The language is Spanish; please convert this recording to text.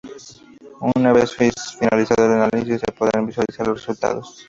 Una vez finalizado el análisis se podrán visualizar los resultados.